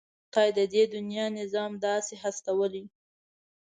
خدای د دې دنيا نظام داسې هستولی.